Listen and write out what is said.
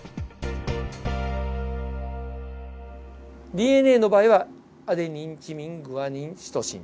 ＤＮＡの場合はアデニンチミングアニンシトシン。